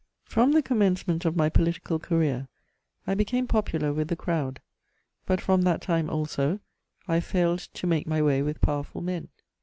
From the commencement of my political career, I became popular with the crowd; but, from that time also, I failed to make my way with powerful men.